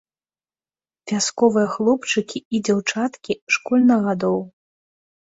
Вясковыя хлопчыкі і дзяўчаткі школьных гадоў.